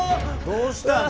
どうしたん？